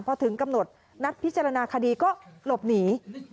พอถึงกำหนดนัดพิจารณาคดีก็หลบหนี